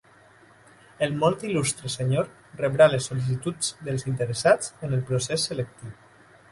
El Molt Il·lustre Senyor rebrà les sol·licituds dels interessats en el procés selectiu.